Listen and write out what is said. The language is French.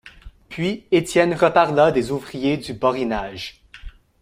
Puis, Étienne reparla des ouvriers du Borinage.